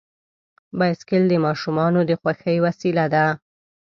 بایسکل د ماشومانو د خوښۍ وسیله ده.